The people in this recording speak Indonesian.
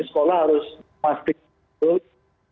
sekolah harus memastikan